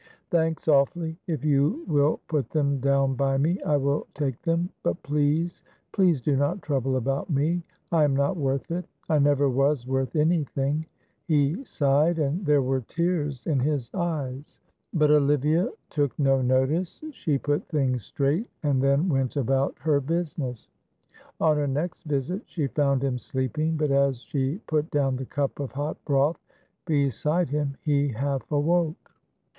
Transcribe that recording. "Thanks awfully; if you will put them down by me, I will take them, but please, please do not trouble about me, I am not worth it. I never was worth anything;" he sighed and there were tears in his eyes; but Olivia took no notice, she put things straight and then went about her business. On her next visit she found him sleeping; but as she put down the cup of hot broth beside him he half woke.